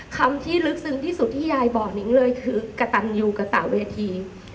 คำที่ลึกซึ้งที่สุดที่ยายบอกนิ้งเลยคือกระตันยูกระต่าเวที